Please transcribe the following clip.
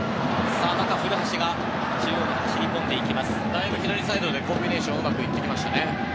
だいぶ左サイドでコンビネーションがうまくいってきましたね。